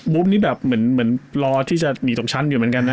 นี่แบบเหมือนรอที่จะหนีตกชั้นอยู่เหมือนกันนะ